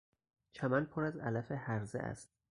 چمن پر از علف هرزه است.